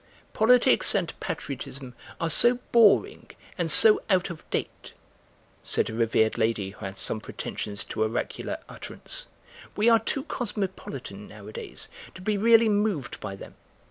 "Politics and patriotism are so boring and so out of date," said a revered lady who had some pretensions to oracular utterance; "we are too cosmopolitan nowadays to be really moved by them.